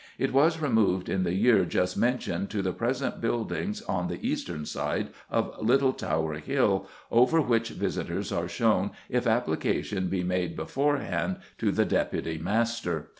It was removed in the year just mentioned to the present buildings on the eastern side of Little Tower Hill, over which visitors are shown if application be made beforehand to the Deputy Master.